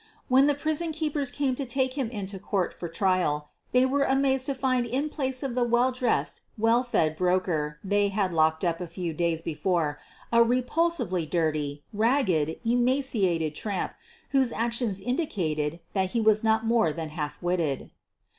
"When the prison keepers came to take him into court for trial they were amazed to find in place of the well dressed, well fed broker they had locked up a few days before a repulsively dirty, ragged, emaciated tramp, whose actions indicated that he was not more than half witted.